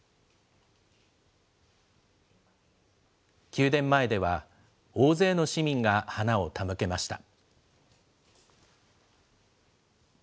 宮殿前では、大勢の市民が花を手向けました。